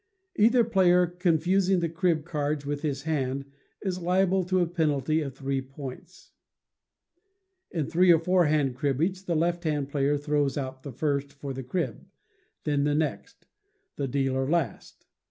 Either player confusing the crib cards with his hand, is liable to a penalty of three points. [In three and four hand cribbage the left hand player throws out first for the crib, then the next; the dealer last.